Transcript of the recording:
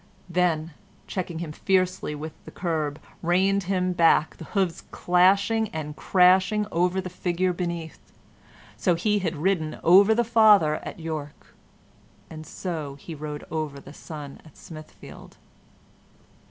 Then, checking him fiercely with the curb, reined him back, the hoofs clashing and crashing, over the figure beneath. So he had ridden over the father at York, and so he rode over the son at Smithfield.